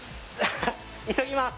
急ぎます